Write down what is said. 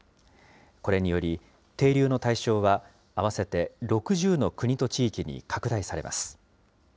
これにより、停留の対象は合わせて６０の国と地域に拡大されます。